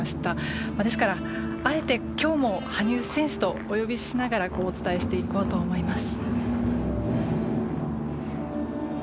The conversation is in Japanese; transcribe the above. ですからあえて今日も羽生選手とお呼びしながらお伝えしていこうと思います。